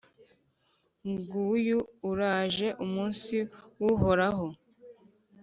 Nguyu uraje umunsi w’Uhoraho,